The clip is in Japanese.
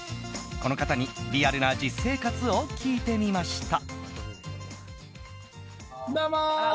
この方にリアルな実生活を聞いてみました。